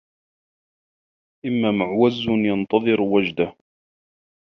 إمَّا مَعُوزٌ يَنْتَظِرُ وَجْدَهُ